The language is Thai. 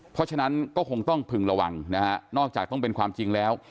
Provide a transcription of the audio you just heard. เพราะฉะนั้นก็คงต้องพึงระวังนะฮะนอกจากต้องเป็นความจริงแล้ว